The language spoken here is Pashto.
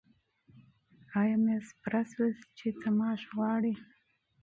آیا میاشت پوره شوه چې ته معاش غواړې؟